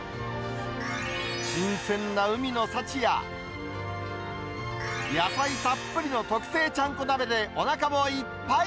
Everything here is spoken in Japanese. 新鮮な海の幸や、野菜たっぷりの特製ちゃんこ鍋で、おなかもいっぱい。